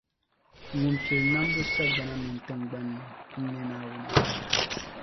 Ŋun pili nambu sagbana mini tiŋgbani ni, n nyɛ Naawuni.